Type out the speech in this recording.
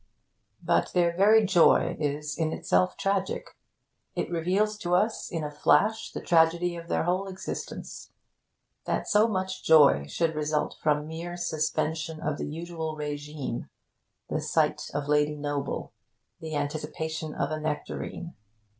But their very joy is in itself tragic. It reveals to us, in a flash, the tragedy of their whole existence. That so much joy should result from mere suspension of the usual re'gime, the sight of Lady Noble, the anticipation of a nectarine!